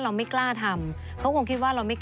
ดูกันด้วย